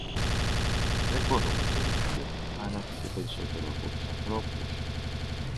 Δεν πονούμε το ίδιο, αν όχι και περισσότερο από τους ανθρώπους;